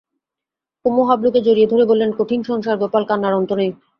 কুমু হাবলুকে জড়িয়ে ধরে বললে, কঠিন সংসার গোপাল, কান্নার অন্ত নেই।